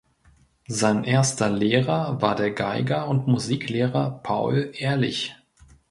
Sein erster Lehrer war der Geiger und Musiklehrer Paul Ehrlich.